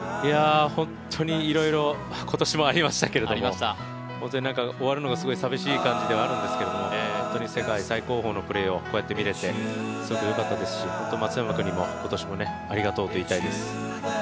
本当にいろいろ今年もありましたけれども、終わるのがすごい寂しい感じではあるんですけど、本当に世界最高峰のプレーをこうやって見られて、すごくよかったですし、本当に松山君にも今年もありがとうと言いたいです。